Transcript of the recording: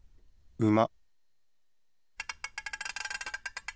うま。